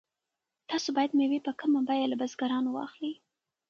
تاسو باید مېوې په کمه بیه له بزګرانو واخلئ.